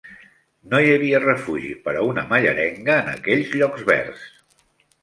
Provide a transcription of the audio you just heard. No hi havia refugi per a una mallerenga en aquells llocs verds.